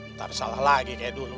ntar salah lagi kayak dulu